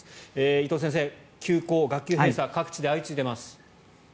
伊藤先生、休校、学級閉鎖各地で相次いでいます。